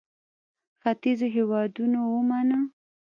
ختیځو هېوادونو ومانه.